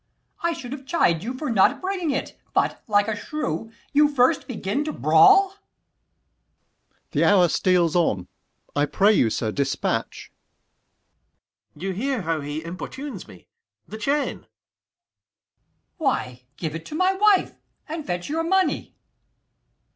I should have chid you for not bringing it, 50 But, like a shrew, you first begin to brawl. Sec. Mer. The hour steals on; I pray you, sir, dispatch. Ang. You hear how he importunes me; the chain! Ant. E. Why, give it to my wife, and fetch your money.